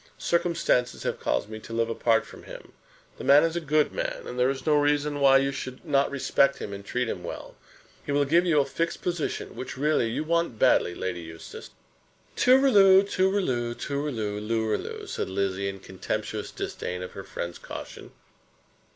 Circumstances have caused me to live apart from him. The man is a good man, and there is no reason why you should not respect him, and treat him well. He will give you a fixed position, which really you want badly, Lady Eustace." "Tooriloo, tooriloo, tooriloo, looriloo," said Lizzie, in contemptuous disdain of her friend's caution.